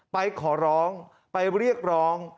ไปขอร้องไปเรียกร้อง